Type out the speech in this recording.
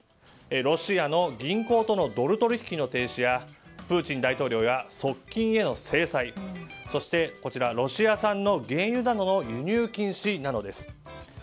ロシアの銀行とのドル取引の停止やプーチン大統領や側近への制裁そして、ロシア産の原油などの輸入禁止などです。